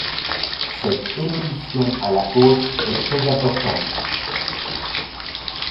Cette évolution à la hausse est très importante.